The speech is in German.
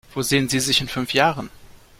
Wo sehen Sie sich in fünf Jahren?